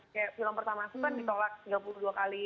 kayak film pertama aku kan ditolak tiga puluh dua kali